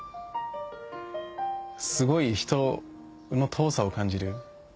すごい人の遠さを感じる。